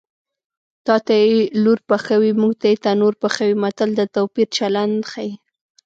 تاته یې لور پخوي موږ ته یې تنور پخوي متل د توپیر چلند ښيي